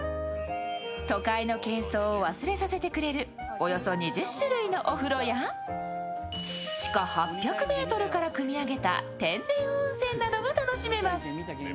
都会のけん騒を忘れさせてくれる２０種類のお風呂や地下８００ｍからくみ上げた天然温泉などが楽しめます。